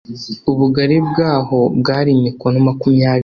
ubugari bwaho bwari mikono makumyabiri